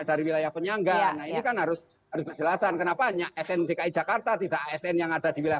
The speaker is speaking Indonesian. dari wilayah penyangga ini kan harus harus kejelasan kenapa sn dki jakarta tidak sn yang ada di wilayah